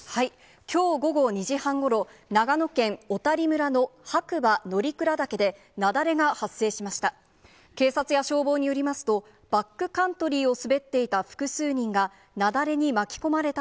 きょう午後２時半ごろ、長野県小谷村の白馬乗鞍岳で雪崩が発生しました。